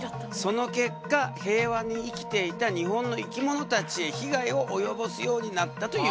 その結果平和に生きていた日本の生き物たちへ被害を及ぼすようになったというわけ。